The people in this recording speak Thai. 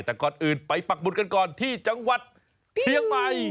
แต่ก่อนอื่นไปปักบุตรกันก่อนที่จังหวัดเชียงใหม่